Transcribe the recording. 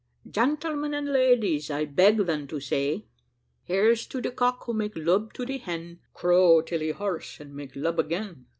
"Gentlemen and ladies, I beg then to say "Here's to de cock who make lub to de hen, Crow till he hoarse, and make lub again."